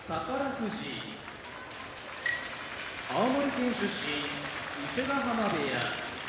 富士青森県出身伊勢ヶ濱部屋